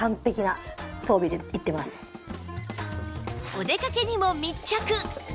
お出かけにも密着